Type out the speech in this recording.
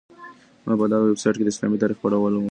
ما په دغه ویبسایټ کي د اسلامي تاریخ په اړه ولوسهمېشه.